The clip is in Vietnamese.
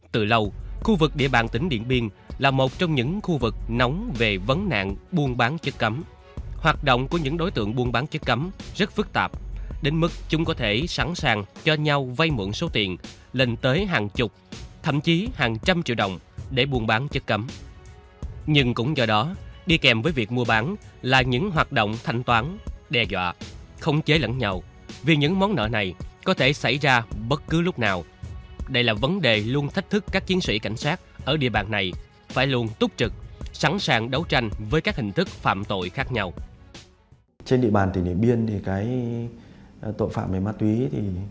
từ lâu khu vực địa bàn tỉnh điện biên là một trong những khu vực nóng về vấn nạn buôn bán chất cấm hoạt động của những đối tượng buôn bán chất cấm rất phức tạp đến mức chúng có thể sẵn sàng cho nhau vay mượn số tiền lên tới hàng chục thậm chí hàng trăm triệu đồng để buôn bán chất cấm nhưng cũng do đó đi kèm với việc mua bán là những hoạt động thanh toán đe dọa không chế lẫn nhau vì những món nợ này có thể xảy ra bất cứ lúc nào đây là vấn đề luôn thích thích thích thích thích thích thích thích thích thích thích thích thích thích thích thích thích thích thích thích thích th